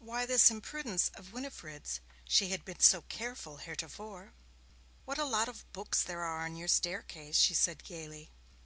Why this imprudence of Winifred's? She had been so careful heretofore. 'What a lot of boots there are on your staircase!' she said gaily.